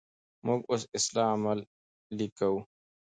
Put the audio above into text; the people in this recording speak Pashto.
موږ اوس اصلاح عملي کوو.